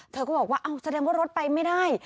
เธอก็บอกว่าแสดงว่ารถไปไม่ได้